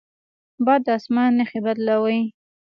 باد د اسمان نښې بدلوي